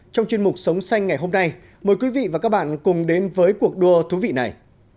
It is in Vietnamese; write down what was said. trong chuyên mục sống xanh ngày hôm nay mời quý vị và các bạn cùng đến với cuộc đua thú vị này